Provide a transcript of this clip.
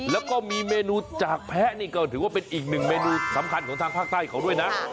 แล้วก็มีเมนูจากแพะนี่ก็ถือว่าเป็นอีกหนึ่งเมนูสำคัญของทางภาคใต้เขาด้วยนะ